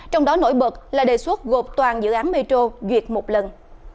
trong đó nổi bật là đề xuất gộp toàn dự án metro duyệt một lần